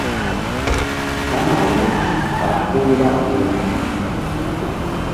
Kamaru ɓa puh mgba iŋ.